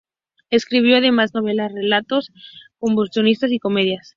Escribió además novelas, relatos costumbristas y comedias.